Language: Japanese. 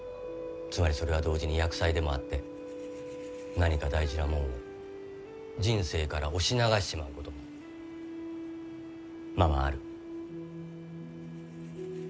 つまりそれは同時に厄災でもあって何か大事なもんを人生から押し流しちまうこともままある。